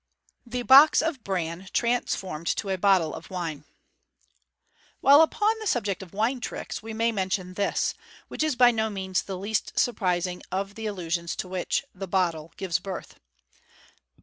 The Box of Bran transformed to a Bottle of Wine. — While upon the subject of wine tri< ks we may mention this, which is by no means the least surprising of the illusions to which " the bottle " gives birth.